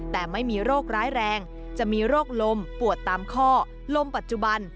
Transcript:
แต่ไม่มีโรคร้ายแรงจะมีโรคลมปวดตามข้อลมปัจจุบัน